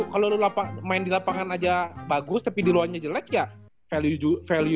kalo lo main di lapangan aja bagus tapi di luarnya jelek ya value lo juga gak naik gitu